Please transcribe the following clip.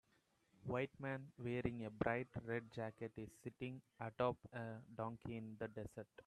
White man wearing a bright red jacket is sitting atop a donkey in the desert.